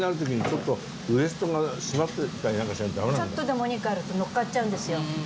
ちょっとでもお肉あるとのっかっちゃうんですよ。